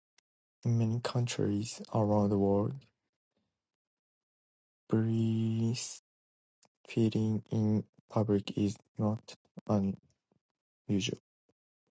In many countries around the world, breastfeeding in public is not unusual.